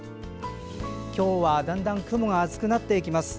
今日はだんだん雲が厚くなっていきます。